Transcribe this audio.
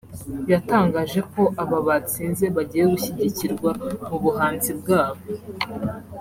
yatangaje ko aba batsinze bagiye gushyigikirwa mu buhanzi bwabo